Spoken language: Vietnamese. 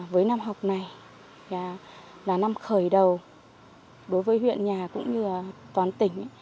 với năm học này là năm khởi đầu đối với huyện nhà cũng như toàn tỉnh